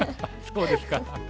そうですか。